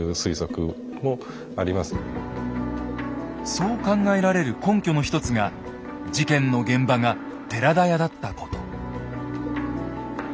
そう考えられる根拠の一つが事件の現場が寺田屋だったこと。